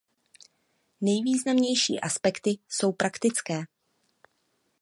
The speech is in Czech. Nejvýznamnější aspekty jsou praktické.